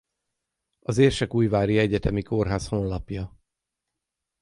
Az Érsekújvári Egyetemi Kórház honlapja